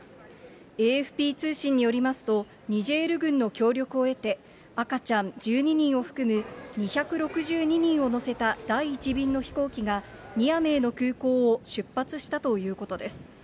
ＡＦＰ通信によりますと、ニジェール軍の協力を得て、赤ちゃん１２人を含む２６２人を乗せた第１便の飛行機が、ニアメーの空港を出発したということです。